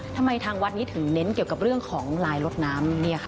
ทำไมทางวัดนี้ถือเน้นเกี่ยวกับเรื่องของลายรถน้ำนี่ค่ะ